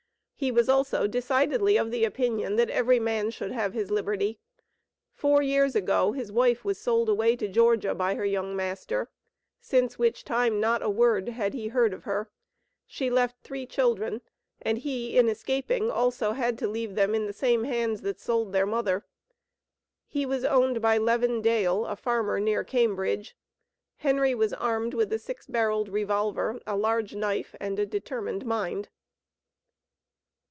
He was also decidedly of the opinion that every man should have his liberty. Four years ago his wife was "sold away to Georgia" by her young master; since which time not a word had he heard of her. She left three children, and he, in escaping, also had to leave them in the same hands that sold their mother. He was owned by Levin Dale, a farmer near Cambridge. Henry was armed with a six barreled revolver, a large knife, and a determined mind.